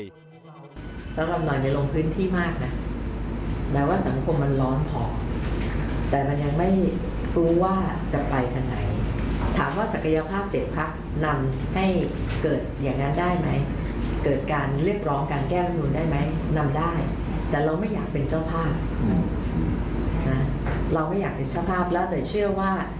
เราไม่อยากเรียกชอบภาพแล้วแต่เชื่อว่า